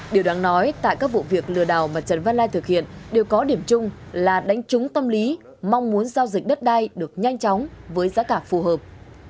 điều đáng nói tại các vụ việc lừa đảo mà trần văn lai thực hiện đều có điểm chung là đánh trúng tâm lý mong muốn giao dịch đất đai được nhanh chóng với giá cả phù hợp